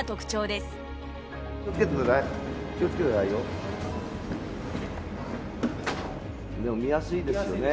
でも見やすいですよね。